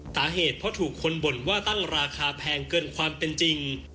สาเหตุเพราะถูกคนบ่นว่าตั้งราคาแพงเกินความเป็นจริง